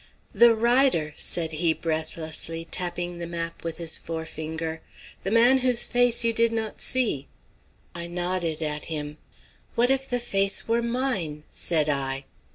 "The rider!" said he breathlessly, tapping the map with his forefinger, "the man whose face you did not see!" I nodded at him. "What if the face were mine?" said I.